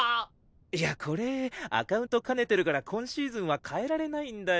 いやこれアカウント兼ねてるから今シーズンは変えられないんだよ。